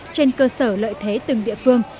trên cơ sở lợi thế từng địa phương